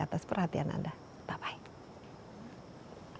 atas perhatian anda bye bye